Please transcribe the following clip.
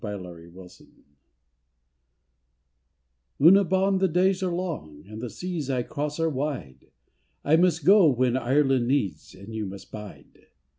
25^ UNA BAWN Una Bawn, the days are long, And the seas I cross are wide, I must go when Ireland needs, And you must bide.